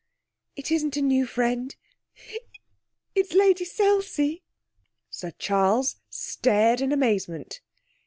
'It isn't a new friend; it's Lady Selsey.' Sir Charles stared in amazement.